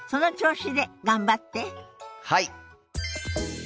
はい！